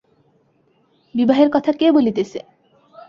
বিবাহের কথা কে বলিতেছে?